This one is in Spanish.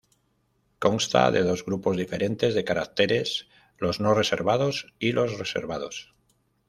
Consta de dos grupos diferentes de caracteres, los no reservados y los reservados.